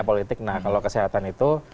politik nah kalau kesehatan itu